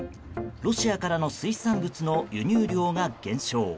ロシアからの水産物の輸入量が減少。